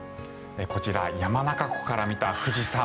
こちら、山中湖から見た富士山。